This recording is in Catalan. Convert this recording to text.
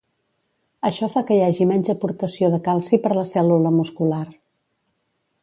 Això fa que hi hagi menys aportació de calci per la cèl·lula muscular.